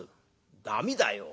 「駄目だよ。